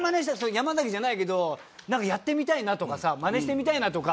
山崎じゃないけどなんかやってみたいなとかさマネしてみたいなとか。